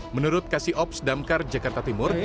menurut kasihops damkar jakarta timur